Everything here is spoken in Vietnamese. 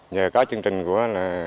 nhờ có chương trình của